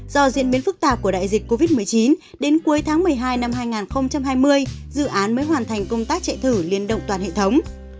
do diễn biến phức tạp của đại dịch covid một mươi chín đến cuối tháng một mươi hai năm hai nghìn hai mươi dự án mới hoàn thành công tác chạy thử liên động toàn hệ thống